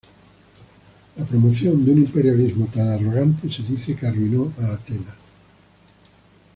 La promoción de un imperialismo tan arrogante se dice que arruinó a Atenas.